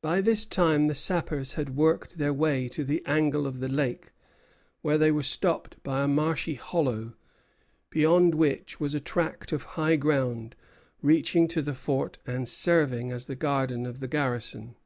By this time the sappers had worked their way to the angle of the lake, where they were stopped by a marshy hollow, beyond which was a tract of high ground, reaching to the fort and serving as the garden of the garrison.